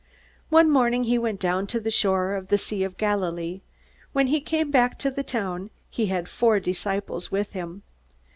One morning he went down to the shore of the Sea of Galilee. When he came back to the town, he had four disciples with him.